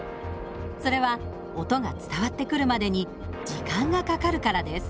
それは音が伝わってくるまでに時間がかかるからです。